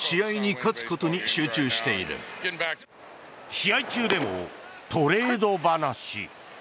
試合中でもトレード話。